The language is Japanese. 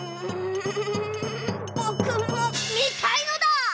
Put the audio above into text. ぼくもみたいのだ！